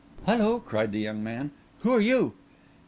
"Hullo!" cried the young man, "who are you?"